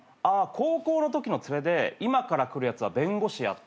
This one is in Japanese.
高校のときのツレで今から来るやつは弁護士やってる。